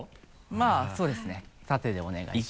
まぁそうですね縦でお願いします。